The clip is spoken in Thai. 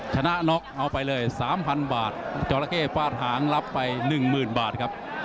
ชนะน็อกเอาไปเลย๓๐๐บาทจอราเข้ฟาดหางรับไป๑๐๐๐บาทครับ